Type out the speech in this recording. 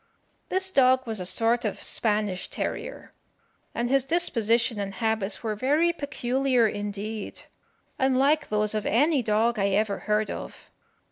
This dog was a sort of Spanish terrier, and his disposition and habits were very peculiar indeed, unlike those of any dog I ever heard of.